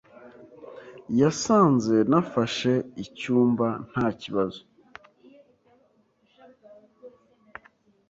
Yasanze nafashe icyumba ntakibazo